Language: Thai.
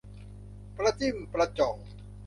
ประจิ้มประจ่อง